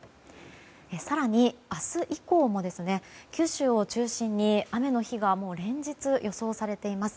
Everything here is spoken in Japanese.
更に明日以降も九州を中心に雨の日が連日、予想されています。